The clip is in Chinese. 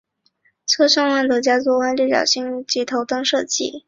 车头换上家族化的六角形水箱护罩及头灯设计。